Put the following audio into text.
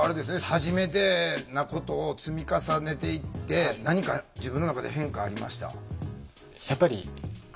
はじめてなことを積み重ねていって何か自分の中で変化ありました？